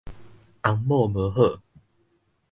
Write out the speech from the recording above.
翁某無好